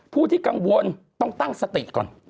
ผู้ที่กังวลต้องตั้งสติก่อน